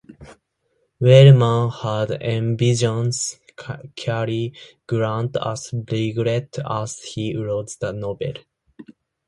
Wellman had envisioned Cary Grant as Regret as he wrote the novel.